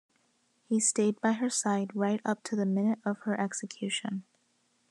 He stayed by her side right up to the minute of her execution.